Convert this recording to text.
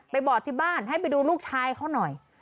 บอกที่บ้านให้ไปดูลูกชายเขาหน่อย